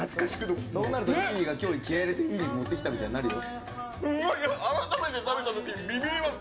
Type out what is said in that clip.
そうなると、にいにが今日気合い入れていい肉持ってきたみたいになるよ。